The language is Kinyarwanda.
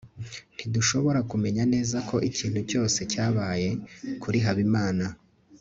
ntidushobora kumenya neza ko ikintu cyose cyabaye kuri habimana